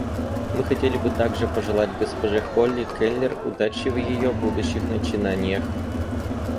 Мы хотели бы также пожелать госпоже Холли Келер удачи в ее будущих начинаниях.